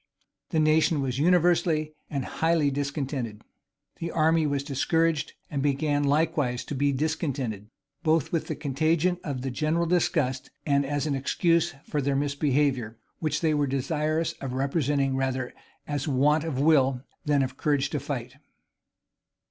The nation was universally and highly discontented. The army was discouraged, and began likewise to be discontented, both from the contagion of general disgust, and as an excuse for their misbehavior, which they were desirous of representing rather as want of will than of courage to fight.